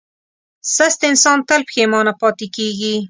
سست انسان تل پښېمانه پاتې کېږي.